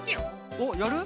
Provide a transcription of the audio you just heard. おっやる？